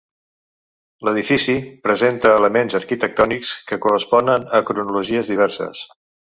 L'edifici presenta elements arquitectònics que corresponen a cronologies diverses.